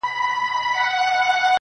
• خپل تعلیم یې کئ پوره په ښه مېړانه..